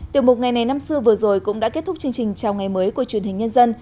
tiểu mục ngày này năm xưa vừa rồi cũng đã kết thúc chương trình chào ngày mới của truyền hình nhân dân